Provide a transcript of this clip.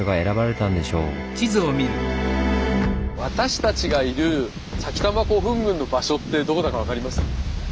私たちがいる埼玉古墳群の場所ってどこだか分かりますか？